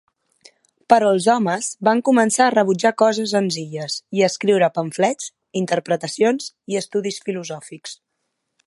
Però els homes van començar a rebutjar coses senzilles, i a escriure pamflets, interpretacions i estudis filosòfics.